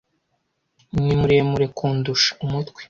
Ni muremure kundusha umutwe.